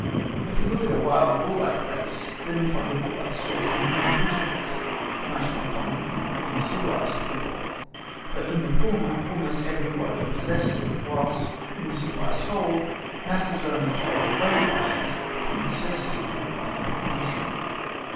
If we look at a wild, warlike race, then we find a warlike spirit in individuals much more common than in a civilised people; for in the former almost every warrior possesses it, whilst in the civilised whole, masses are only carried away by it from necessity, never by inclination.